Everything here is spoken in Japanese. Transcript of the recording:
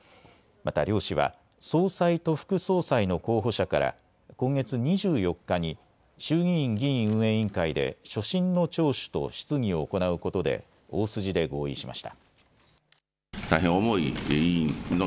また両氏は総裁と副総裁の候補者から今月２４日に衆議院議院運営委員会で所信の聴取と質疑を行うことで大筋で合意しました。